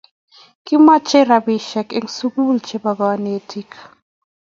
kimache rapishek en sukul che bo kanetik